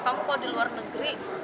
kamu kalau di luar negeri